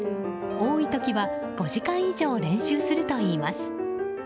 多い時は５時間以上練習するといいます。